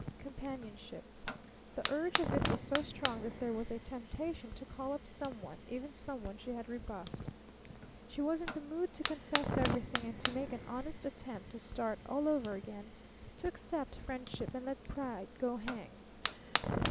Companionship. The urge of it was so strong that there was a temptation to call up someone, even someone she had rebuffed. She was in the mood to confess everything and to make an honest attempt to start all over again to accept friendship and let pride go hang.